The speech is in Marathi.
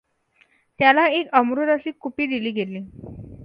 त्याला एक अमृताची कुपी दिली गेली.